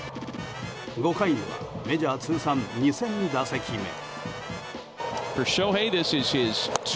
５回にはメジャー通算２０００打席目。